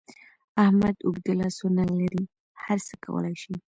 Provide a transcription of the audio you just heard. احمد اوږده لاسونه لري؛ هر څه کولای شي.